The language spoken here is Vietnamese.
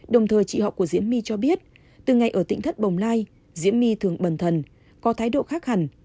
còn thờ chị họ của diễm my cho biết từ ngày ở tỉnh thất bồng lai diễm my thường bẩn thần có thái độ khác hẳn